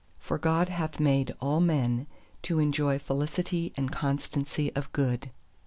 For God hath made all men to enjoy felicity and constancy of good.